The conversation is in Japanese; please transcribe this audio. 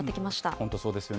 本当、そうですよね。